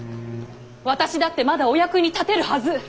私だってまだお役に立てるはず！